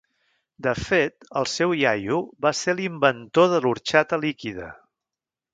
De fet, el seu iaio va ser l'inventor de l'orxata líquida.